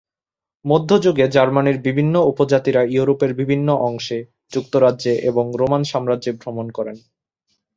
মধ্যযুগে জার্মানির বিভিন্ন উপজাতিরা ইউরোপের বিভিন্ন অংশে, যুক্তরাজ্যে এবং রোমান সাম্রাজ্যে ভ্রমণ করেন।